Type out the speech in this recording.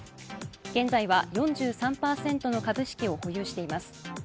現在は４３％の株式を保有しています。